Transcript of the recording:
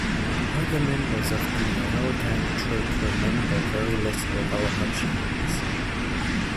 Other members of the "Our Gang" troupe remember very little about Hutchins.